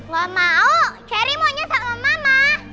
gak mau cherry mau nyusah sama mama